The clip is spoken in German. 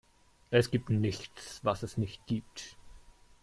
Es gibt nichts, was es nicht gibt.